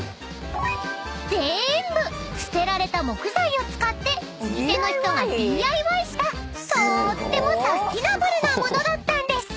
［ぜーんぶ捨てられた木材を使ってお店の人がＤＩＹしたとーってもサスティナブルな物だったんです！］